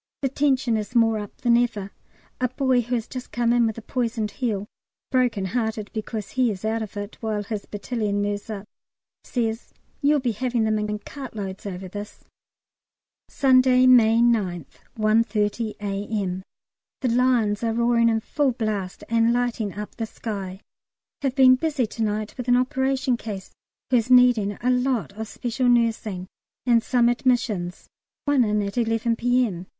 The tension is more up than ever. A boy who has just come in with a poisoned heel (broken hearted because he is out of it, while his battalion moves up) says, "You'll be having them in in cartloads over this." Sunday, May 9th, 1.30 A.M. The Lions are roaring in full blast and lighting up the sky. Have been busy to night with an operation case who is needing a lot of special nursing, and some admissions one in at 11 P.M.